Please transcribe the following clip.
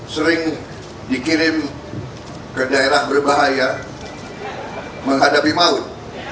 sering dikirim ke daerah berbahaya menghadapi maut